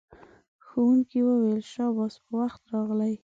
ښوونکی وویل شاباس په وخت راغلئ.